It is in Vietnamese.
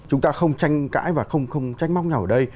chúng ta không tranh cãi và không trách móc nhau ở đây